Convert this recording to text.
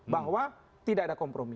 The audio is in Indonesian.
bahwa tidak ada kompromi